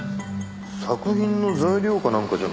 作品の材料かなんかじゃないですか？